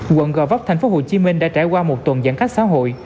quận gò vấp thành phố hồ chí minh đã trải qua một tuần giãn cách xã hội